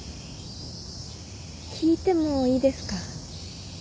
聞いてもいいですか？